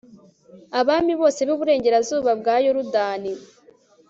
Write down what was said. abami bose b'iburengerazuba bwa yorudani